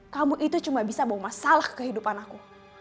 kamu itu cuma bisa bawa masalah kehidupan aku